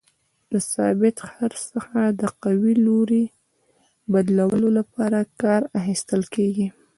د ثابت څرخ څخه د قوې لوري بدلولو لپاره کار اخیستل کیږي.